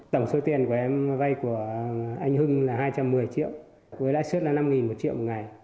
tổng số tiền của em vay của anh hưng là hai trăm một mươi triệu với lãi suất là năm một triệu một ngày